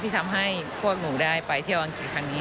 ที่ทำให้พวกหนูได้ไปเที่ยวอังกฤษครั้งนี้